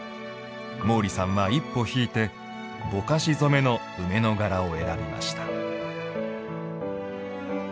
毛利さんは、一歩ひいてぼかし染めの梅の柄を選びました。